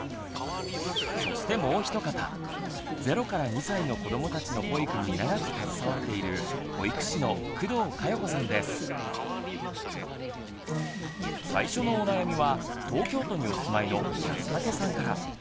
そしてもう一方０２歳の子どもたちの保育に長く携わっている最初のお悩みは東京都にお住まいの安武さんから。